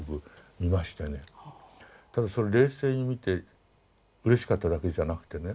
ただそれ冷静に見てうれしかっただけじゃなくてね